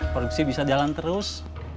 produksi bisa jalan terus